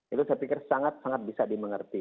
itu saya pikir sangat sangat bisa dimengerti